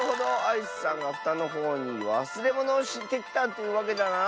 アイスさんがふたのほうにわすれものをしてきたというわけだな？